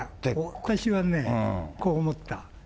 私はね、こう思った。